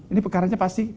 ini pekaranya pasti